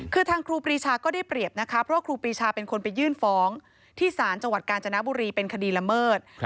คือทางครูปรีชาก็ได้เปรียบนะคะเพราะว่าครูปรีชาเป็นคนไปยื่นฟ้องที่ศาลจังหวัดกาญจนบุรีเป็นคดีละเมิด